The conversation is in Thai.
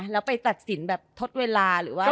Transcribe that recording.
แล้วไปตัดสินแบบทดเวลาหรือว่า